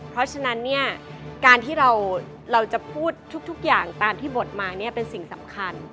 เพราะฉะนั้นเนี่ยการที่เราจะพูดทุกอย่างตามที่บทมาเนี่ยเป็นสิ่งสำคัญ